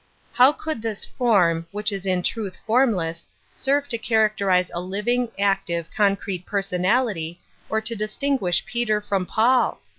How could this " form," which is,4tf truth form less, serve to characterize a living, active, Metaphysics 35 concrete personality, op to distinguish Peter from Paul?